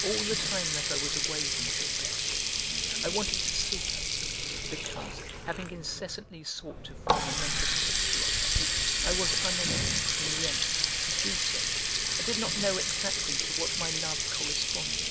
All the time that I was away from Gilberte, I wanted to see her, because, having incessantly sought to form a mental picture of her, I was unable, in the end, to do so, and did not know exactly to what my love corresponded.